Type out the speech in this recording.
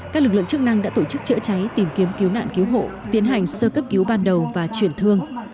các lực lượng chức năng đã tổ chức chữa cháy tìm kiếm cứu nạn cứu hộ tiến hành sơ cấp cứu ban đầu và chuyển thương